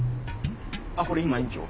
あっこれ今園長。